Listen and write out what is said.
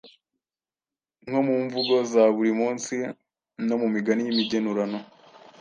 nko mu mvugo za buri munsi no mu migani y’imigenurano.